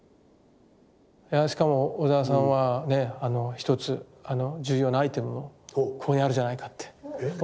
しかも小沢さんはね一つ重要なアイテムをここにあるじゃないかってお気付きになった。